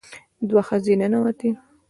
دوه ښځې ننوتې.